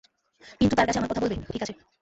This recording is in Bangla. কিন্তু তার কাছে আমার কথা বলবে, ঠিক আছে?